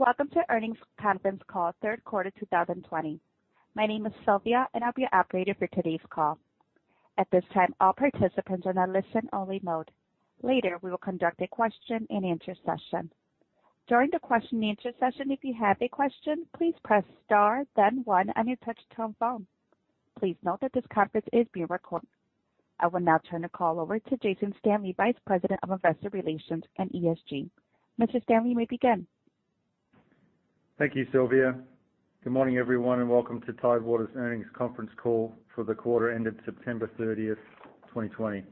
Welcome to earnings conference call, third quarter 2020. My name is Sylvia, and I'll be your operator for today's call. At this time, all participants are in a listen-only mode. Later, we will conduct a question-and-answer session. During the question-and-answer session, if you have a question, please press star, then one, and you'll touch-tone. Please note that this conference is being recorded. I will now turn the call over to Jason Stanley, Vice President of Investor Relations and ESG. Mr. Stanley, you may begin. Thank you, Sylvia. Good morning, everyone, and welcome to Tidewater's earnings conference call for the quarter ended September 30th, 2020.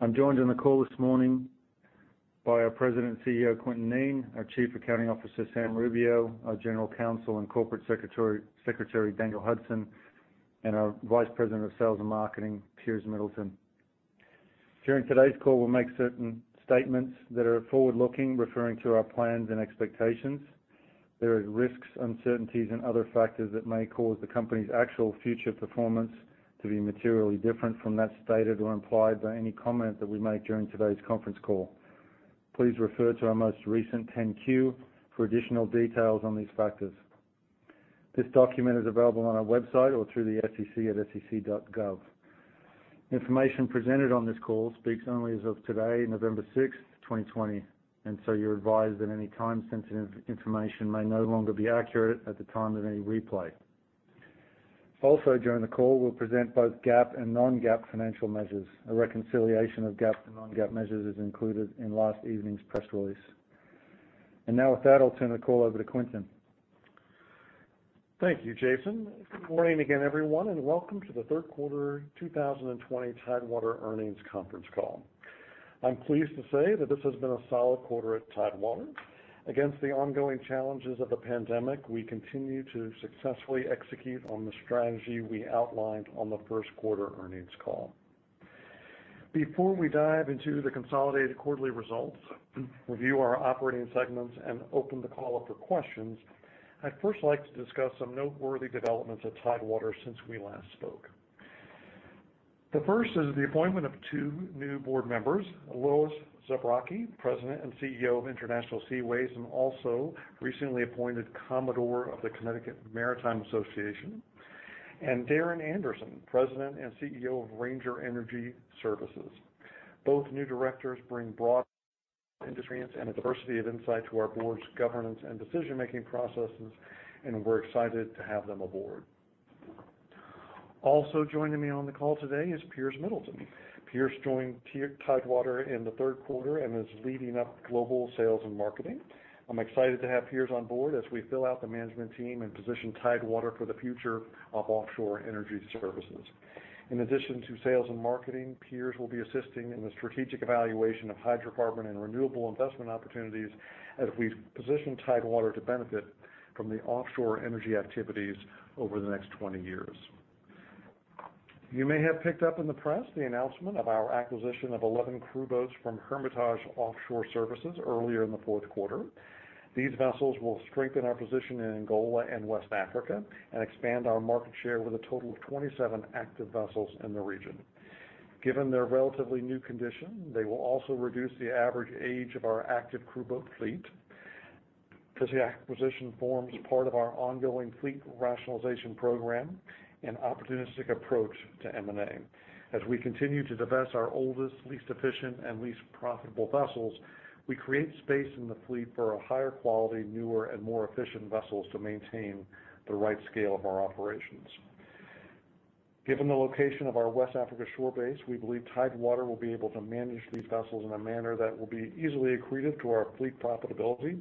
I'm joined on the call this morning by our President and CEO, Quintin Kneen, our Chief Accounting Officer, Sam Rubio, our General Counsel, and Corporate Secretary, Daniel Hudson, and our Vice President of Sales and Marketing, Piers Middleton. During today's call, we'll make certain statements that are forward-looking, referring to our plans and expectations. There are risks, uncertainties, and other factors that may cause the company's actual future performance to be materially different from that stated or implied by any comment that we make during today's conference call. Please refer to our most recent 10-Q for additional details on these factors. This document is available on our website or through the SEC at sec.gov. Information presented on this call speaks only as of today, November 6th, 2020, and so you're advised that any time-sensitive information may no longer be accurate at the time of any replay. Also, during the call, we'll present both GAAP and non-GAAP financial measures. A reconciliation of GAAP and non-GAAP measures is included in last evening's press release, and now, with that, I'll turn the call over to Quintin. Thank you, Jason. Good morning again, everyone, and welcome to the third quarter 2020 Tidewater earnings conference call. I'm pleased to say that this has been a solid quarter at Tidewater. Against the ongoing challenges of the pandemic, we continue to successfully execute on the strategy we outlined on the first quarter earnings call. Before we dive into the consolidated quarterly results, review our operating segments, and open the call up for questions, I'd first like to discuss some noteworthy developments at Tidewater since we last spoke. The first is the appointment of two new board members, Lois Zabrocky, President and CEO of International Seaways, and also recently appointed Commodore of the Connecticut Maritime Association, and Darron Anderson, President and CEO of Ranger Energy Services. Both new directors bring broad experience and a diversity of insight to our board's governance and decision-making processes, and we're excited to have them aboard. Also joining me on the call today is Piers Middleton. Piers joined Tidewater in the third quarter and is leading up global sales and marketing. I'm excited to have Piers on board as we fill out the management team and position Tidewater for the future of offshore energy services. In addition to sales and marketing, Piers will be assisting in the strategic evaluation of hydrocarbon and renewable investment opportunities as we position Tidewater to benefit from the offshore energy activities over the next 20 years. You may have picked up in the press the announcement of our acquisition of 11 crew boats from Hermitage Offshore Services earlier in the fourth quarter. These vessels will strengthen our position in Angola and West Africa and expand our market share with a total of 27 active vessels in the region. Given their relatively new condition, they will also reduce the average age of our active crew boat fleet because the acquisition forms part of our ongoing fleet rationalization program and opportunistic approach to M&A. As we continue to divest our oldest, least efficient, and least profitable vessels, we create space in the fleet for a higher quality, newer, and more efficient vessel to maintain the right scale of our operations. Given the location of our West Africa shore base, we believe Tidewater will be able to manage these vessels in a manner that will be easily accretive to our fleet profitability.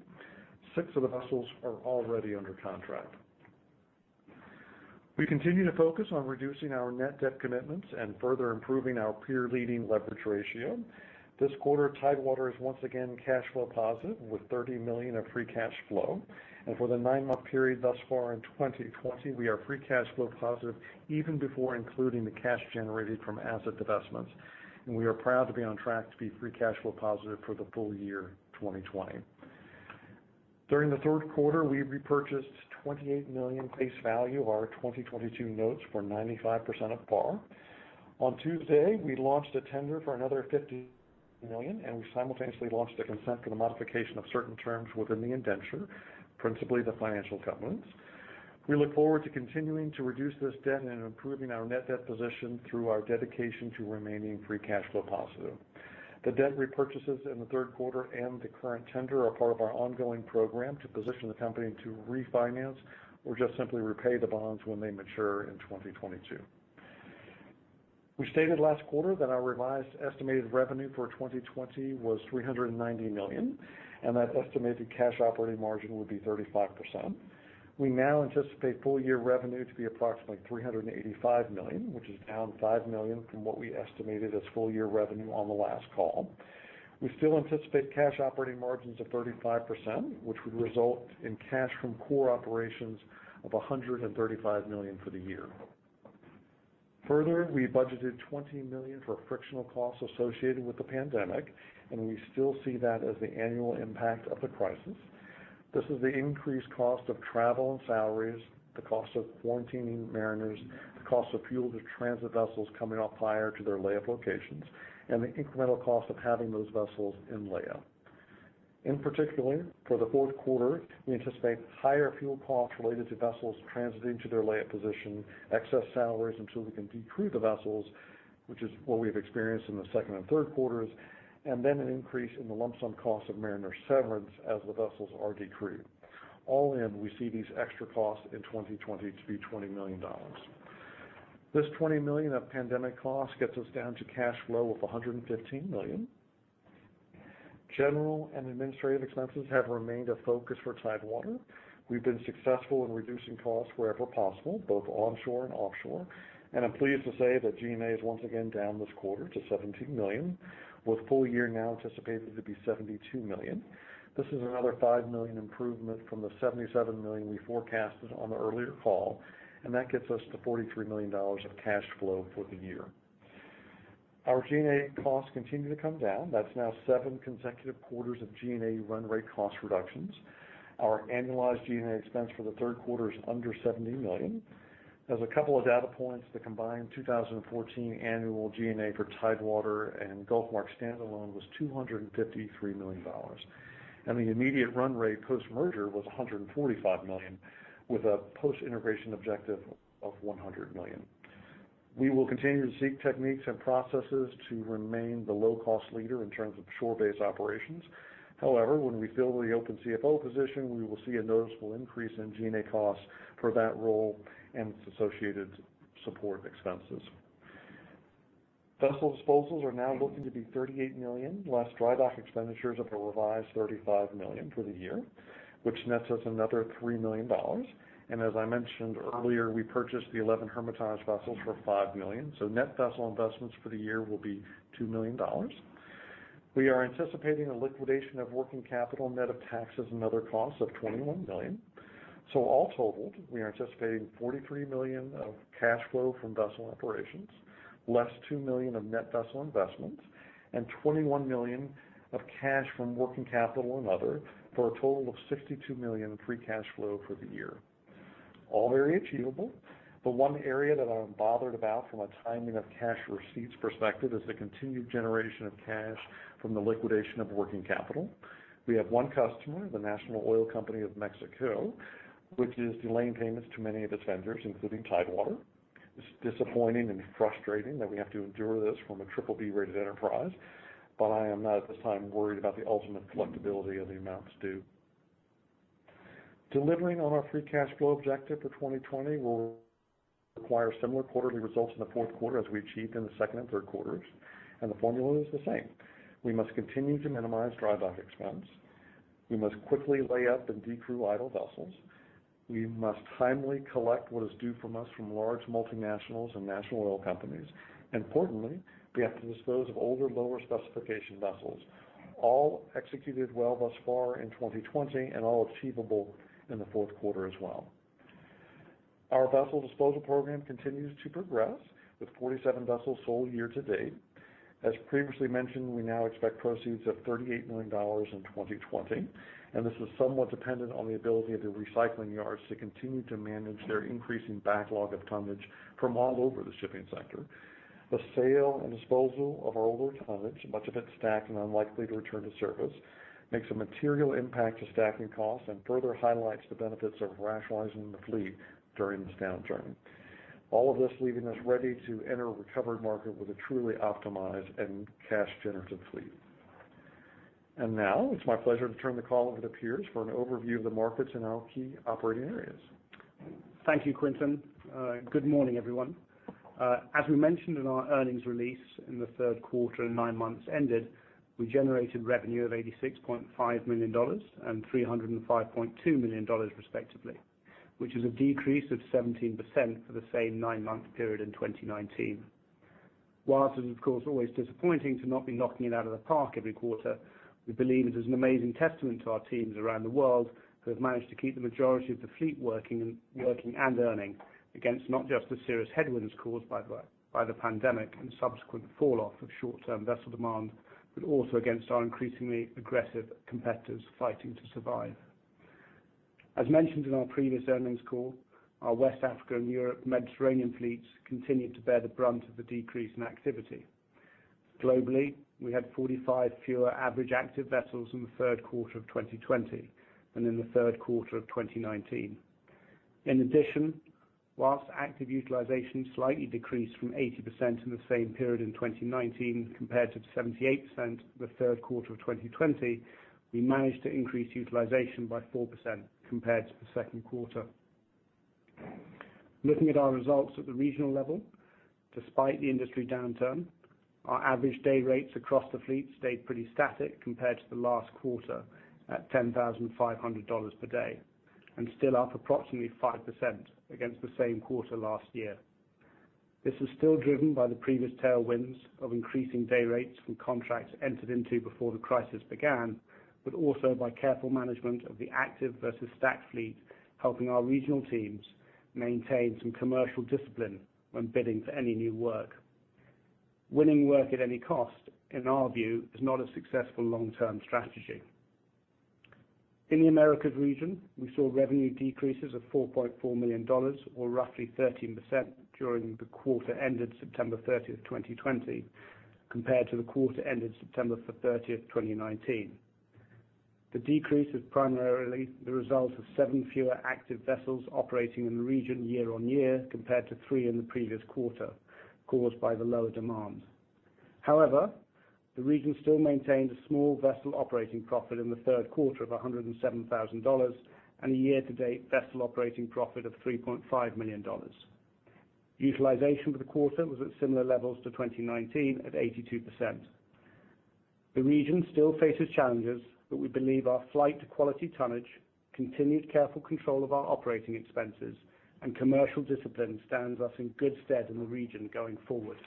Six of the vessels are already under contract. We continue to focus on reducing our net debt commitments and further improving our peer-leading leverage ratio. This quarter, Tidewater is once again cash flow positive with $30 million of free cash flow, and for the nine-month period thus far in 2020, we are free cash flow positive even before including the cash generated from asset investments, and we are proud to be on track to be free cash flow positive for the full year 2020. During the third quarter, we repurchased $28 million face value of our 2022 notes for 95% of par. On Tuesday, we launched a tender for another $50 million, and we simultaneously launched a consent for the modification of certain terms within the indenture, principally the financial covenants. We look forward to continuing to reduce this debt and improving our net debt position through our dedication to remaining free cash flow positive. The debt repurchases in the third quarter and the current tender are part of our ongoing program to position the company to refinance or just simply repay the bonds when they mature in 2022. We stated last quarter that our revised estimated revenue for 2020 was $390 million, and that estimated cash operating margin would be 35%. We now anticipate full year revenue to be approximately $385 million, which is down $5 million from what we estimated as full year revenue on the last call. We still anticipate cash operating margins of 35%, which would result in cash from core operations of $135 million for the year. Further, we budgeted $20 million for frictional costs associated with the pandemic, and we still see that as the annual impact of the crisis. This is the increased cost of travel and salaries, the cost of quarantining mariners, the cost of fuel to transit vessels coming off hire to their lay-up locations, and the incremental cost of having those vessels in lay-up. In particular, for the fourth quarter, we anticipate higher fuel costs related to vessels transiting to their lay-up position, excess salaries until we can decrew the vessels, which is what we've experienced in the second and third quarters, and then an increase in the lump sum cost of mariner severance as the vessels are decrewed. All in, we see these extra costs in 2020 to be $20 million. This $20 million of pandemic costs gets us down to cash flow of $115 million. General and administrative expenses have remained a focus for Tidewater. We've been successful in reducing costs wherever possible, both onshore and offshore, and I'm pleased to say that G&A is once again down this quarter to $17 million, with full year now anticipated to be $72 million. This is another $5 million improvement from the $77 million we forecasted on the earlier call, and that gets us to $43 million of cash flow for the year. Our G&A costs continue to come down. That's now seven consecutive quarters of G&A run rate cost reductions. Our annualized G&A expense for the third quarter is under $70 million. As a couple of data points, the combined 2014 annual G&A for Tidewater and GulfMark standalone was $253 million, and the immediate run rate post-merger was $145 million, with a post-integration objective of $100 million. We will continue to seek techniques and processes to remain the low-cost leader in terms of shore-based operations. However, when we fill the open CFO position, we will see a noticeable increase in G&A costs for that role and its associated support expenses. Vessel disposals are now looking to be $38 million. Last dry dock expenditures are for revised $35 million for the year, which nets us another $3 million. And as I mentioned earlier, we purchased the 11 Hermitage vessels for $5 million, so net vessel investments for the year will be $2 million. We are anticipating a liquidation of working capital, net of taxes, and other costs of $21 million. So all totaled, we are anticipating $43 million of cash flow from vessel operations, less $2 million of net vessel investments, and $21 million of cash from working capital and other for a total of $62 million free cash flow for the year. All very achievable, but one area that I'm bothered about from a timing of cash receipts perspective is the continued generation of cash from the liquidation of working capital. We have one customer, the National Oil Company of Mexico, which is delaying payments to many of its vendors, including Tidewater. It's disappointing and frustrating that we have to endure this from a BBB rated enterprise, but I am not at this time worried about the ultimate collectibility of the amounts due. Delivering on our free cash flow objective for 2020 will require similar quarterly results in the fourth quarter as we achieved in the second and third quarters, and the formula is the same. We must continue to minimize dry dock expense. We must quickly lay up and decrew idle vessels. We must timely collect what is due to us from large multinationals and National Oil Companies. Importantly, we have to dispose of older lower specification vessels, all executed well thus far in 2020 and all achievable in the fourth quarter as well. Our vessel disposal program continues to progress with 47 vessels sold year to date. As previously mentioned, we now expect proceeds of $38 million in 2020, and this is somewhat dependent on the ability of the recycling yards to continue to manage their increasing backlog of tonnage from all over the shipping sector. The sale and disposal of our older tonnage, much of it stacked and unlikely to return to service, makes a material impact to stacking costs and further highlights the benefits of rationalizing the fleet during this downturn. All of this leaving us ready to enter a recovered market with a truly optimized and cash-generative fleet. Now, it's my pleasure to turn the call over to Piers for an overview of the markets in our key operating areas. Thank you, Quintin. Good morning, everyone. As we mentioned in our earnings release in the third quarter and nine months ended, we generated revenue of $86.5 million and $305.2 million respectively, which is a decrease of 17% for the same nine-month period in 2019. While it is, of course, always disappointing to not be knocking it out of the park every quarter, we believe it is an amazing testament to our teams around the world who have managed to keep the majority of the fleet working and earning against not just the serious headwinds caused by the pandemic and subsequent falloff of short-term vessel demand, but also against our increasingly aggressive competitors fighting to survive. As mentioned in our previous earnings call, our West Africa and Europe and Mediterranean fleets continued to bear the brunt of the decrease in activity. Globally, we had 45 fewer average active vessels in the third quarter of 2020 than in the third quarter of 2019. In addition, while active utilization slightly decreased from 80% in the same period in 2019 compared to 78% in the third quarter of 2020, we managed to increase utilization by 4% compared to the second quarter. Looking at our results at the regional level, despite the industry downturn, our average day rates across the fleet stayed pretty static compared to the last quarter at $10,500 per day and still up approximately 5% against the same quarter last year. This was still driven by the previous tailwinds of increasing day rates from contracts entered into before the crisis began, but also by careful management of the active versus stacked fleet, helping our regional teams maintain some commercial discipline when bidding for any new work. Winning work at any cost, in our view, is not a successful long-term strategy. In the America region, we saw revenue decreases of $4.4 million, or roughly 13%, during the quarter ended September 30th, 2020, compared to the quarter ended September 30th, 2019. The decrease is primarily the result of seven fewer active vessels operating in the region year-on-year compared to three in the previous quarter, caused by the lower demand. However, the region still maintained a small vessel operating profit in the third quarter of $107,000 and a year-to-date vessel operating profit of $3.5 million. Utilization for the quarter was at similar levels to 2019 at 82%. The region still faces challenges, but we believe our flight-to-quality tonnage, continued careful control of our operating expenses, and commercial discipline stands us in good stead in the region going forward.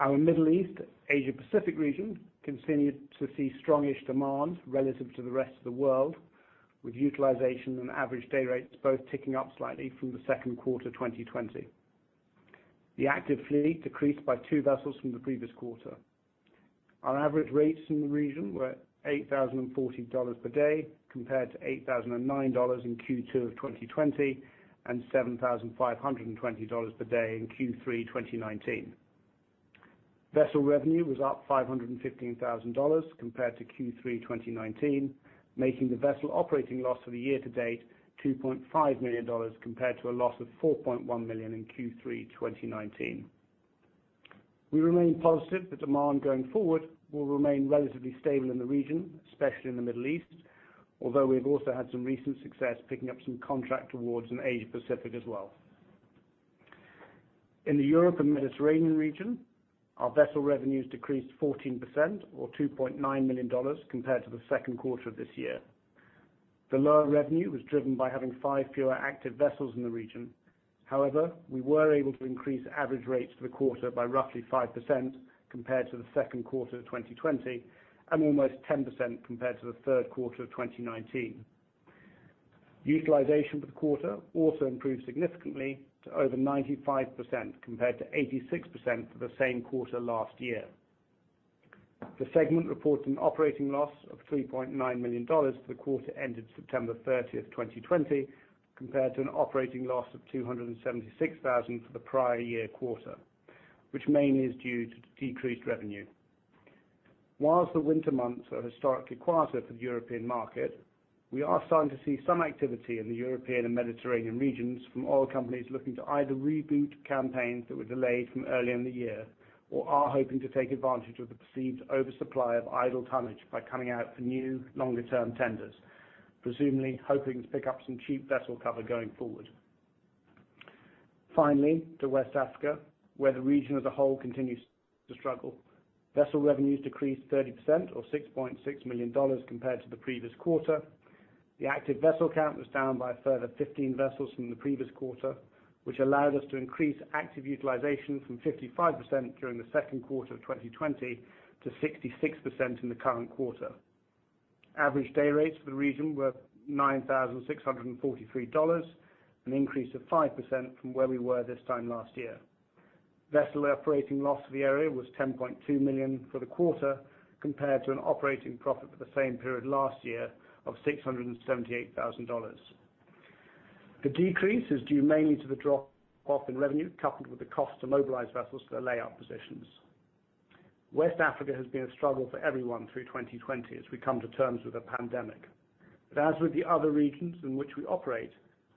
Our Middle East, Asia-Pacific region continued to see strong-ish demand relative to the rest of the world, with utilization and average day rates both ticking up slightly from the second quarter 2020. The active fleet decreased by two vessels from the previous quarter. Our average rates in the region were $8,040 per day compared to $8,009 in Q2 of 2020 and $7,520 per day in Q3 2019. Vessel revenue was up $515,000 compared to Q3 2019, making the vessel operating loss for the year to date $2.5 million compared to a loss of $4.1 million in Q3 2019. We remain positive that demand going forward will remain relatively stable in the region, especially in the Middle East, although we have also had some recent success picking up some contract awards in Asia-Pacific as well. In the Europe and Mediterranean region, our vessel revenues decreased 14%, or $2.9 million compared to the second quarter of this year. The lower revenue was driven by having five fewer active vessels in the region. However, we were able to increase average rates for the quarter by roughly 5% compared to the second quarter of 2020 and almost 10% compared to the third quarter of 2019. Utilization for the quarter also improved significantly to over 95% compared to 86% for the same quarter last year. The segment reports an operating loss of $3.9 million for the quarter ended September 30th, 2020, compared to an operating loss of $276,000 for the prior year quarter, which mainly is due to decreased revenue. While the winter months are historically quieter for the European market, we are starting to see some activity in the European and Mediterranean regions from oil companies looking to either reboot campaigns that were delayed from earlier in the year or are hoping to take advantage of the perceived oversupply of idle tonnage by coming out for new longer-term tenders, presumably hoping to pick up some cheap vessel cover going forward. Finally, to West Africa, where the region as a whole continues to struggle, vessel revenues decreased 30%, or $6.6 million compared to the previous quarter. The active vessel count was down by a further 15 vessels from the previous quarter, which allowed us to increase active utilization from 55% during the second quarter of 2020 to 66% in the current quarter. Average day rates for the region were $9,643, an increase of 5% from where we were this time last year. Vessel operating loss for the area was $10.2 million for the quarter compared to an operating profit for the same period last year of $678,000. The decrease is due mainly to the drop-off in revenue coupled with the cost to mobilize vessels to the lay-up positions. West Africa has been a struggle for everyone through 2020 as we come to terms with the pandemic. But as with the other regions in which we operate,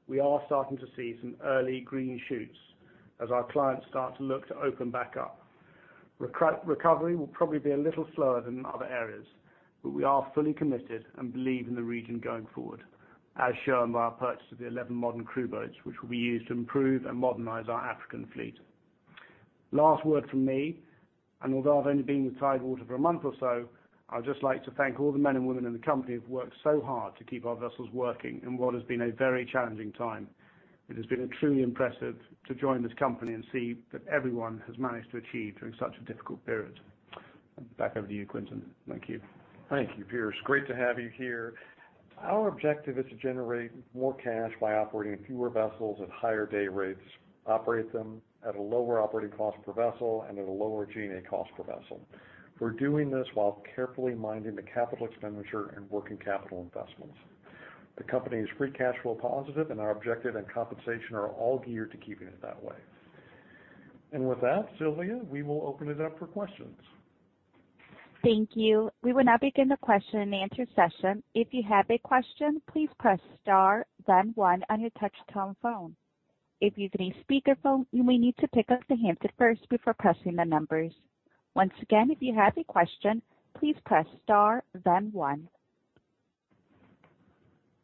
we are starting to see some early green shoots as our clients start to look to open back up. Recovery will probably be a little slower than other areas, but we are fully committed and believe in the region going forward, as shown by our purchase of the 11 modern crew boats, which will be used to improve and modernize our African fleet. Last word from me, and although I've only been with Tidewater for a month or so, I'd just like to thank all the men and women in the company who've worked so hard to keep our vessels working in what has been a very challenging time. It has been truly impressive to join this company and see that everyone has managed to achieve during such a difficult period. Back over to you, Quintin. Thank you. Thank you, Piers. Great to have you here. Our objective is to generate more cash by operating fewer vessels at higher day rates, operate them at a lower operating cost per vessel, and at a lower G&A cost per vessel. We're doing this while carefully minding the capital expenditure and working capital investments. The company is free cash flow positive, and our objective and compensation are all geared to keeping it that way. And with that, Sylvia, we will open it up for questions. Thank you. We will now begin the question-and-answer session. If you have a question, please press star, then one, on your touch-tone phone. If you have a speakerphone, you may need to pick up the handset first before pressing the numbers. Once again, if you have a question, please press star, then one.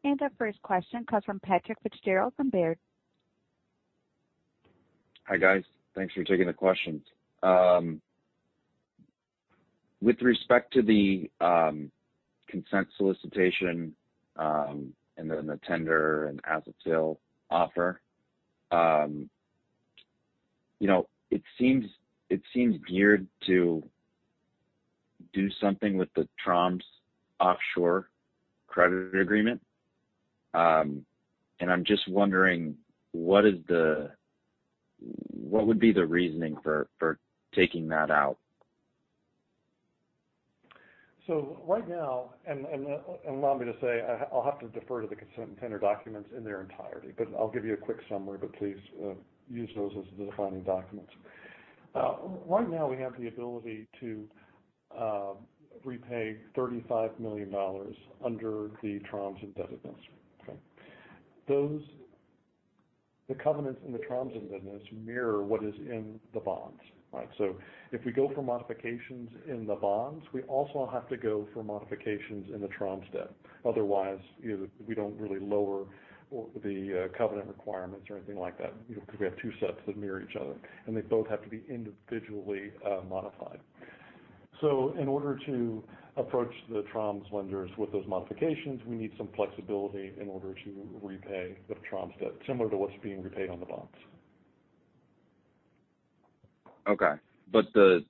Our first question comes from Patrick Fitzgerald from Baird. Hi, guys. Thanks for taking the question. With respect to the consent solicitation and then the tender and exchange offer, it seems geared to do something with the Troms Offshore credit agreement. And I'm just wondering, what would be the reasoning for taking that out? So right now, and allow me to say, I'll have to defer to the consent and tender documents in their entirety, but I'll give you a quick summary, but please use those as the defining documents. Right now, we have the ability to repay $35 million under the Troms indebtedness. The covenants in the Troms indebtedness mirror what is in the bonds. So if we go for modifications in the bonds, we also have to go for modifications in the Troms debt. Otherwise, we don't really lower the covenant requirements or anything like that because we have two sets that mirror each other, and they both have to be individually modified. So in order to approach the Troms lenders with those modifications, we need some flexibility in order to repay the Troms debt, similar to what's being repaid on the bonds. Okay, but the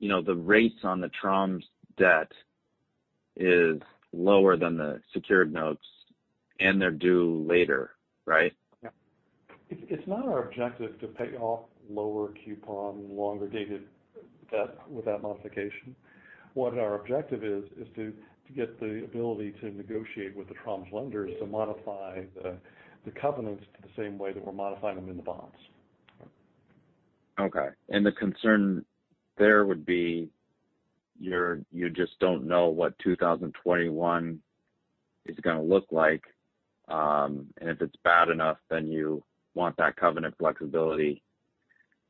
rates on the Troms's debt is lower than the secured notes, and they're due later, right? Yeah. It's not our objective to pay off lower coupon, longer dated debt with that modification. What our objective is, is to get the ability to negotiate with the Troms' lenders to modify the covenants the same way that we're modifying them in the bonds. Okay. And the concern there would be you just don't know what 2021 is going to look like. And if it's bad enough, then you want that covenant flexibility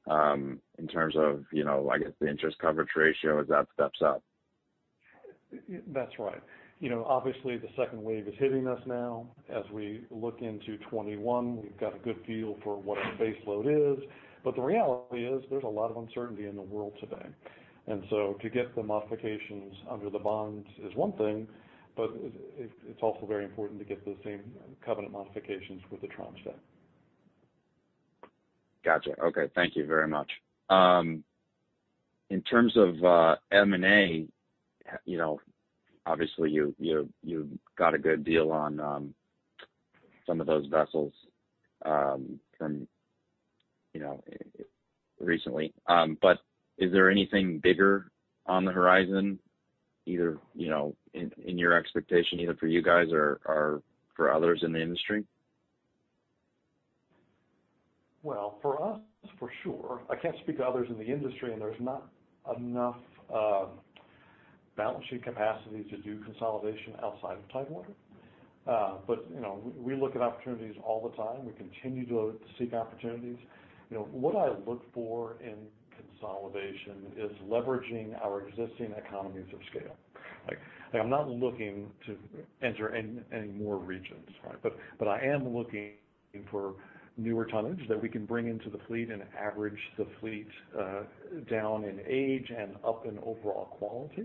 in terms of, I guess, the interest coverage ratio as that steps up. That's right. Obviously, the second wave is hitting us now. As we look into 2021, we've got a good feel for what our baseload is. But the reality is there's a lot of uncertainty in the world today. And so to get the modifications under the bonds is one thing, but it's also very important to get the same covenant modifications with the Troms' debt. Gotcha. Okay. Thank you very much. In terms of M&A, obviously, you've got a good deal on some of those vessels from recently. But is there anything bigger on the horizon, either in your expectation, either for you guys or for others in the industry? For us, for sure. I can't speak to others in the industry, and there's not enough balancing capacity to do consolidation outside of Tidewater. But we look at opportunities all the time. We continue to seek opportunities. What I look for in consolidation is leveraging our existing economies of scale. I'm not looking to enter any more regions, but I am looking for newer tonnage that we can bring into the fleet and average the fleet down in age and up in overall quality,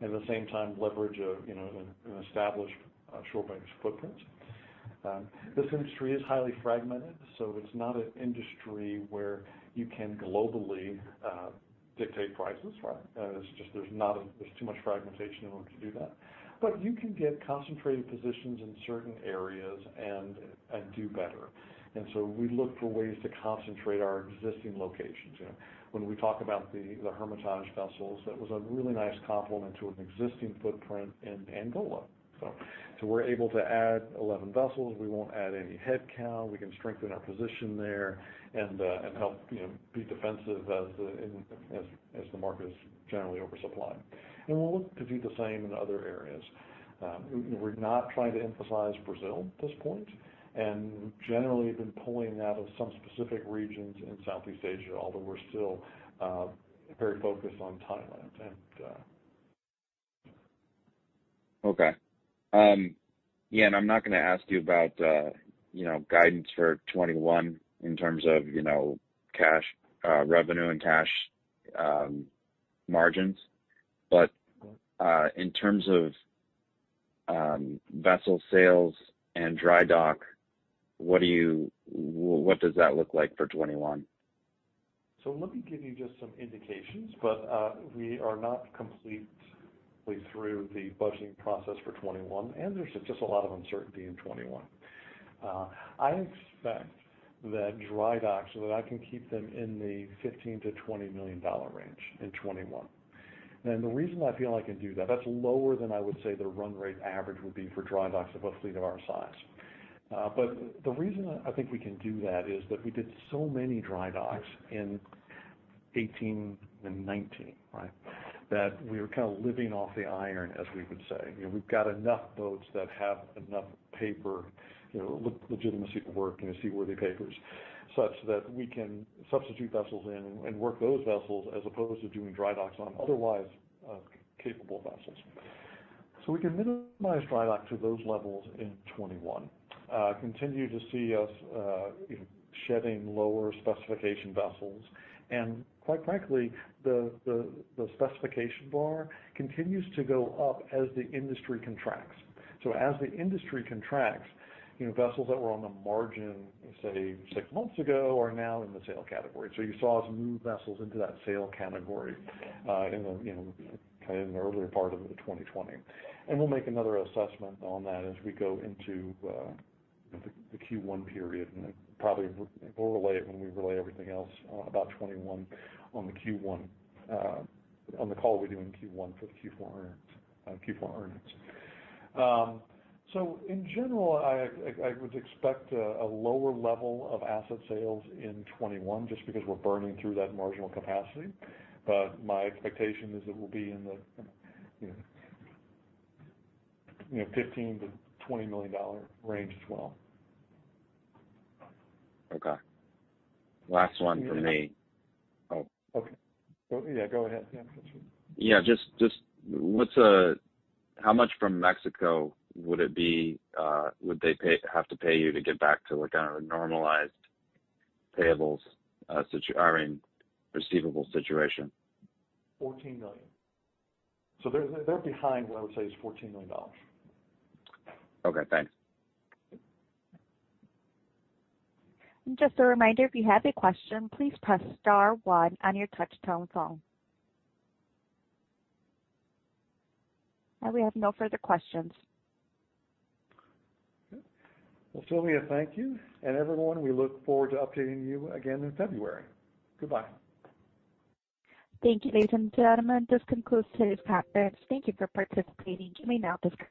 and at the same time, leverage an established shore-based footprint. This industry is highly fragmented, so it's not an industry where you can globally dictate prices. There's too much fragmentation in order to do that. But you can get concentrated positions in certain areas and do better. And so we look for ways to concentrate our existing locations. When we talk about the Hermitage vessels, that was a really nice complement to an existing footprint in Angola. So we're able to add 11 vessels. We won't add any head count. We can strengthen our position there and help be defensive as the market is generally oversupplied. And we'll look to do the same in other areas. We're not trying to emphasize Brazil at this point and generally have been pulling out of some specific regions in Southeast Asia, although we're still very focused on Thailand. Okay. Yeah. And I'm not going to ask you about guidance for 2021 in terms of revenue and cash margins. But in terms of vessel sales and dry dock, what does that look like for 2021? Let me give you just some indications, but we are not completely through the budgeting process for 2021, and there's just a lot of uncertainty in 2021. I expect that dry docks, so that I can keep them in the $15 million-$20 million range in 2021. The reason I feel I can do that, that's lower than I would say the run rate average would be for dry docks of a fleet of our size. The reason I think we can do that is that we did so many dry docks in 2018 and 2019 that we were kind of living off the iron, as we would say. We've got enough boats that have enough paper, legitimacy to work, seaworthy papers, such that we can substitute vessels in and work those vessels as opposed to doing dry docks on otherwise capable vessels. So we can minimize dry docks to those levels in 2021. Continue to see us shedding lower specification vessels. And quite frankly, the specification bar continues to go up as the industry contracts. So as the industry contracts, vessels that were on the margin, say, six months ago are now in the sale category. So you saw us move vessels into that sale category in the earlier part of 2020. And we'll make another assessment on that as we go into the Q1 period. And probably we'll release it when we release everything else about 2021 on the Q1, on the call we do in Q1 for the Q4 earnings. So in general, I would expect a lower level of asset sales in 2021 just because we're burning through that marginal capacity. But my expectation is it will be in the $15 million-$20 million range as well. Okay. Last one for me. Okay. Yeah. Go ahead. Yeah. That's fine. Yeah. Just how much from Mexico would it be? Would they have to pay you to get back to kind of a normalized payables, I mean, receivable situation? $14 million. So they're behind what I would say is $14 million. Okay. Thanks. Just a reminder, if you have a question, please press star one on your touch-tone phone. We have no further questions. Sylvia, thank you. Everyone, we look forward to updating you again in February. Goodbye. Thank you, ladies and gentlement. This concludes today's conference. Thank you for participating. You may now disconnect.